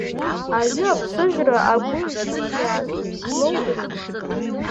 Аҩы аԥсыжра агәы ишықәиааз злоудырзеи?